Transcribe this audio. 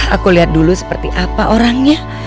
aku lihat dulu seperti apa orangnya